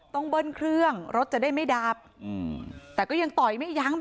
แต่คนที่เบิ้ลเครื่องรถจักรยานยนต์แล้วเค้าก็ลากคนนั้นมาทำร้ายร่างกาย